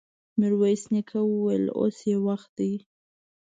ميرويس نيکه وويل: اوس يې وخت دی!